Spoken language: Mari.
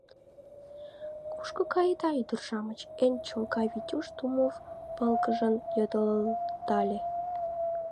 — Кушко каеда, ӱдыр-шамыч? — эн чолга Витюш Тумов пыльгыжын йодылдале.